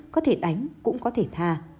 có thể đánh cũng có thể tha